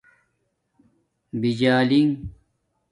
باجنݣ